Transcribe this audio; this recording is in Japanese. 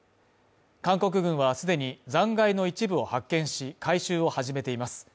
韓国軍は既に残骸の一部を発見し、回収を始めています。